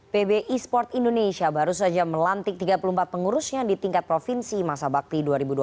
pbi sports indonesia baru saja melantik tiga puluh empat pengurusnya di tingkat provinsi masa bakti dua ribu dua puluh dua ribu dua puluh empat